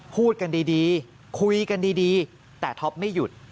พูดกันดีคุยกันดีแต่ท็อปไม่หยุด